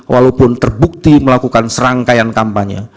walaupun terbukti melakukan serangkaian kampanye